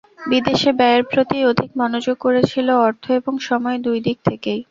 বিদেশে ব্যয়ের প্রতিই অধিক মনোযোগ করেছিল, অর্থ এবং সময় দুই দিক থেকেই।